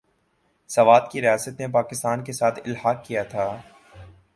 سوات کی ریاست نے پاکستان کے ساتھ الحاق کیا تھا ۔